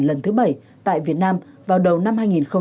lần thứ bảy tại việt nam vào đầu năm hai nghìn hai mươi